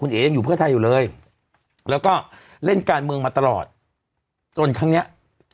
เอ๋ยังอยู่เพื่อไทยอยู่เลยแล้วก็เล่นการเมืองมาตลอดจนครั้งเนี้ย